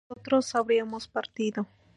nosotros habríamos partido